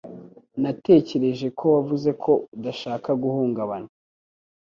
Natekereje ko wavuze ko udashaka guhungabana